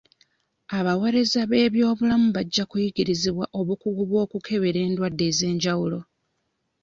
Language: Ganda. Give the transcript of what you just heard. Abaweereza b'ebyobulamu bajja kuyigirizibwa obukugu bw'okukebera endwadde ez'enjawulo.